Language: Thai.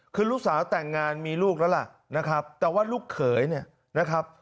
คือลูกสาวแต่งงานมีลูกแล้วล่ะนะครับแต่ว่าลูกเขยเนี่ยนะครับ